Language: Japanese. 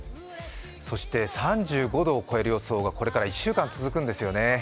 そして３５度を超える予想がこれから１週間続くんですよね。